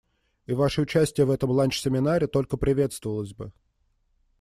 И ваше участие в этом ланч-семинаре только приветствовалось бы.